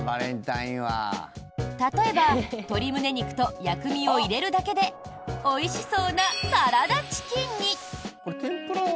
例えば鶏胸肉と薬味を入れるだけでおいしそうなサラダチキンに。